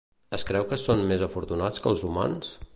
Es creu que són més afortunats que els humans?